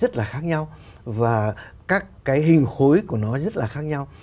rất là khác nhau và các cái hình khối của nó rất là khác nhau